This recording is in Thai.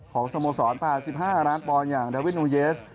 ของสโมสรป่า๑๕ล้านบอลอย่างดาวิทนูเยส